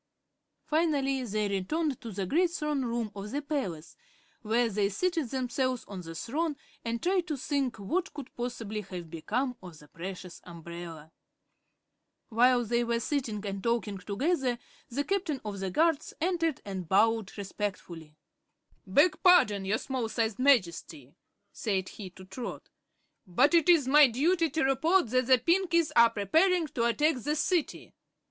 Finally they returned to the great throne room of the palace, where they seated themselves on the throne and tried to think what could possibly have become of the precious umbrella. While they were sitting and talking together the Captain of the Guards entered and bowed respectfully. "Beg pardon, your Small Sized Majesty," said he to Trot, "but it is my duty to report that the Pinkies are preparing to attack the City."